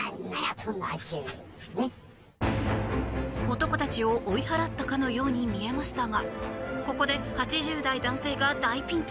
男たちを追い払ったかのように見えましたがここで８０代男性が大ピンチ。